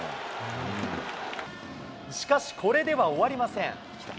しかし、これでは終わりません。